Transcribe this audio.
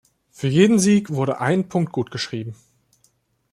Für jeden Sieg wurde ein Punkt gut geschrieben.